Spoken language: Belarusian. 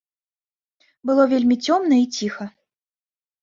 Было вельмі цёмна і ціха.